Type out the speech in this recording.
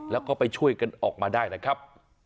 แล้วก็ไปช่วยกันออกมาได้นะครับ